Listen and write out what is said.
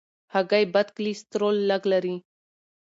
هګۍ بد کلسترول لږ لري.